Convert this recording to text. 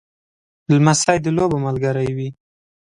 لمسی د لوبو ملګری وي.